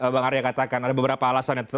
bang arya katakan ada beberapa alasan yang